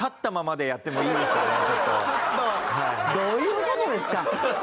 どういう事ですか。